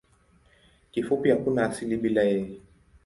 Kifupi hakuna asili bila yeye.